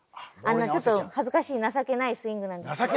ちょっと恥ずかしい情けないスイングなんですけど。